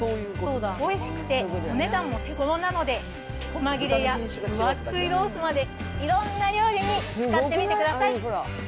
おいしくてお値段も手ごろなので、細切れや分厚いロースまで、いろんな料理に使ってみてください。